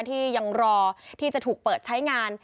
ที่ยังรอที่จะถูกเปิดใช้งาน